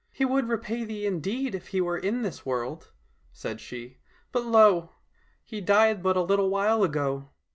" He would repay thee indeed if he were in this world," said she, *' but lo now ! he died but a little while ago